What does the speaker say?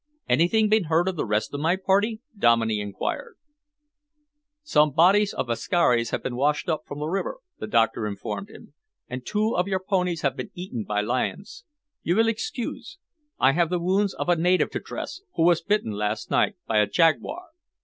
"Anything been heard of the rest of my party?" Dominey enquired. "Some bodies of Askaris have been washed up from the river," the doctor informed him, "and two of your ponies have been eaten by lions. You will excuse. I have the wounds of a native to dress, who was bitten last night by a jaguar."